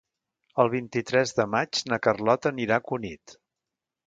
El vint-i-tres de maig na Carlota anirà a Cunit.